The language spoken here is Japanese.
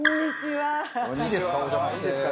いいですか？